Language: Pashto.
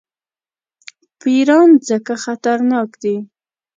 پیران ځکه خطرناک دي.